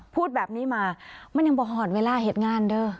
พูดแบบนี้มามันยังบ่ห่อนเวลาเห็นงานเด้อ